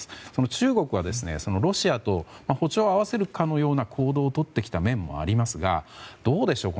中国は、ロシアと歩調を合わせるかのような行動をとってきた面もありますがどうでしょう